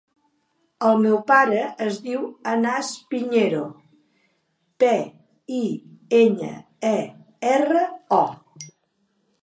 El meu pare es diu Anas Piñero: pe, i, enya, e, erra, o.